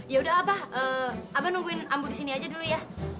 yaudah abah abah nungguin ambo disini aja dulu ya